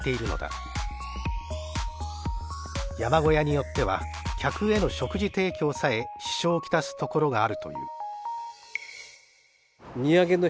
山小屋によっては客への食事提供さえ支障を来すところがあるという。